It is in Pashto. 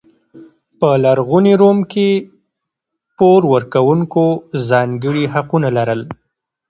په لرغوني روم کې پور ورکوونکو ځانګړي حقونه لرل.